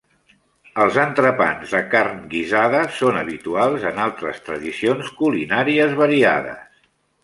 Els entrepans de carn guisada són habituals en altres tradicions culinàries variades.